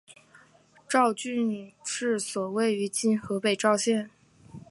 赵郡治所位于今河北赵县。